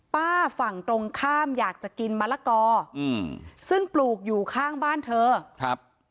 ฝั่งตรงข้ามอยากจะกินมะละกออืมซึ่งปลูกอยู่ข้างบ้านเธอครับ